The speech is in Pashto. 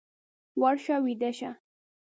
ورشه ويده شه!